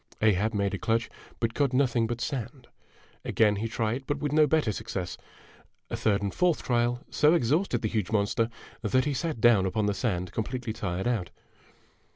Ahab made a clutch, but caught nothing but sand. Again he tried, but with no better success. A third and fourth trial so exhausted the huge monster that he sat down upon the sand completely tired out.